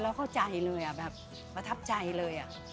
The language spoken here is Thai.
เราเข้าใจเลยอะแบบพระทับใจเลย